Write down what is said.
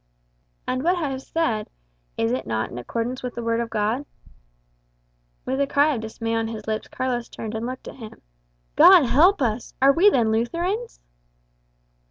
"And what I have said is it not in accordance with the Word of God?" With a cry of dismay on his lips, Carlos turned and looked at him "God help us! Are we then Lutherans?"